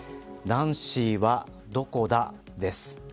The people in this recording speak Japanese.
ナンシーはどこだです。